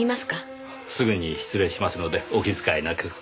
すぐに失礼しますのでお気遣いなく。